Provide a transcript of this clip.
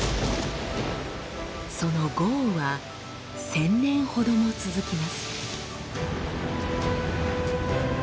その豪雨は１，０００年ほども続きます。